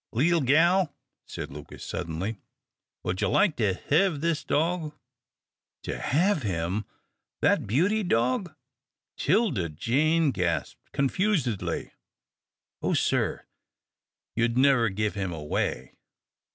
"Leetle gal," said Lucas, suddenly, "would ye like to hev this dog?" "To have him that beauty dog!" 'Tilda Jane gasped, confusedly. "Oh, sir, you'd never give him away."